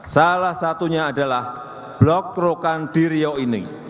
salah satunya adalah blok rokandirio ini